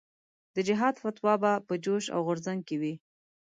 د جهاد فتوا به په جوش او غورځنګ کې وي.